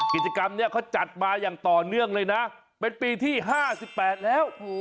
กิจกรรมนี้เขาจัดมาอย่างต่อเนื่องเลยนะเป็นปีที่๕๘แล้ว